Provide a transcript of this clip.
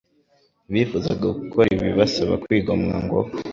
Ntibifuza gukora ibibasaba kwigomwa ngo